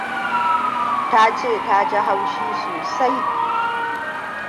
Ta ce ji haushi sosai.